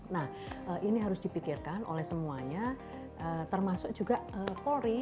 nah ini harus dipikirkan oleh semuanya termasuk juga polri